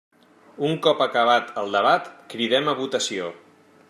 Un cop acabat el debat, cridem a votació.